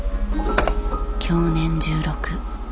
享年１６。